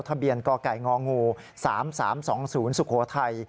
ทะเบียนกไก่ง๓๓๒๐สุโขทัย